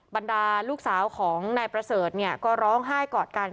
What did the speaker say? บรรดาลูกสาวของนายประเสริฐเนี่ยก็ร้องไห้กอดกัน